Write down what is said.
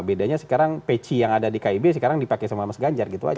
bedanya sekarang peci yang ada di kib sekarang dipakai sama mas ganjar gitu aja